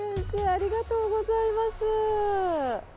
ありがとうございます。